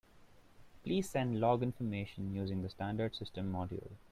Please send log information using the standard system module.